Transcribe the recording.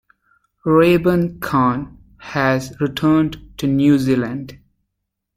Raybon Kan has returned to New Zealand.